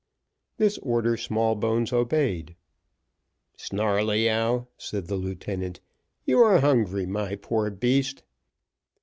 This order Smallbones obeyed. "Snarleyyow," said the lieutenant, "you are hungry, my poor beast."